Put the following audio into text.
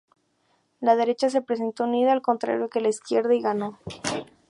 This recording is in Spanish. La derecha se presentó unida, al contrario que la izquierda, y ganó.